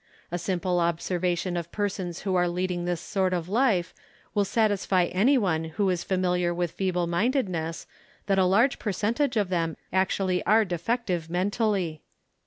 A simple observation of persons who are leading this sort of life will satisfy any one who is familiar with feeble minded ness that a large percentage of them actually are de fective mentally.